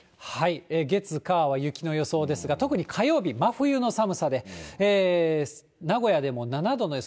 月、火は雪の予想ですが、特に火曜日、真冬の寒さで、名古屋でも７度の予想。